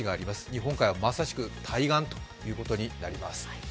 日本海はまさしく対岸ということになります。